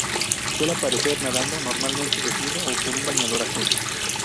Suele aparecer nadando, normalmente desnudo o con un bañador azul.